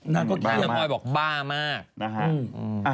นางก็คิดแอนนับอ้อยบอกบ้ามาก